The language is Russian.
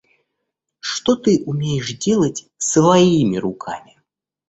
Что ты умеешь делать своими руками?